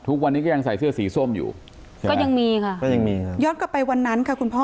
ทุกวันนี้ก็ยังใส่เสื้อสีส้มอยู่ก็ยังมีค่ะก็ยังมีค่ะย้อนกลับไปวันนั้นค่ะคุณพ่อ